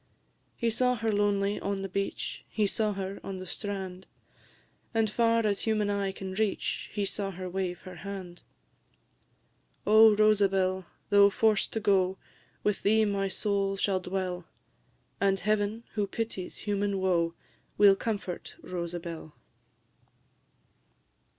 He saw her lonely on the beach; He saw her on the strand; And far as human eye can reach He saw her wave her hand! "O Rosabel! though forced to go, With thee my soul shall dwell, And Heaven, who pities human woe, Will comfort Rosabel!"